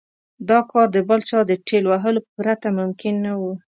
دا کار د بل چا د ټېل وهلو پرته ممکن نه و.